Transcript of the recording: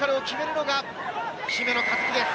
これが姫野和樹です！